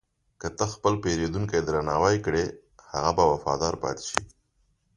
که ته خپل پیرودونکی درناوی کړې، هغه به وفادار پاتې شي.